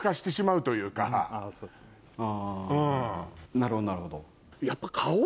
なるほどなるほど。